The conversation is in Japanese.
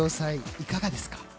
いかがですか？